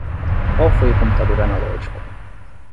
Qual foi o computador analógico?